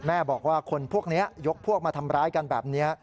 แม่บอกว่าคนพวกนี้ยกพวกมาทำร้ายกันแบบนี้